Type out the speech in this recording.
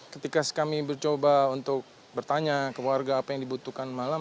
ketika kami mencoba untuk bertanya ke warga apa yang dibutuhkan malam